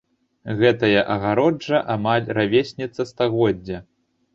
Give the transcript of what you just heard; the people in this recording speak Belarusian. Гэтая агароджа амаль равесніца стагоддзя.